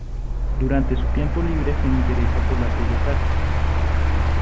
Durante su tiempo libre se interesa por las bellas artes.